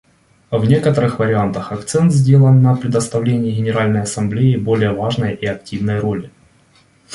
В некоторых вариантах акцент сделан на предоставлении Генеральной Ассамблее более важной и активной роли.